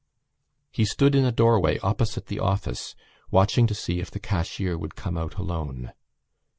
He stood in a doorway opposite the office watching to see if the cashier would come out alone.